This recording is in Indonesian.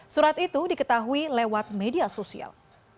surat itu diketahui lewat media sosial